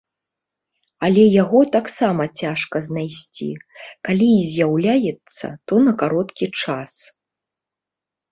Але яго таксама цяжка знайсці, калі і з'яўляецца, то на кароткі час.